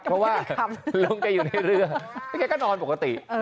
เพราะว่าลุงแกอยู่ในเรือแล้วแกก็นอนปกติ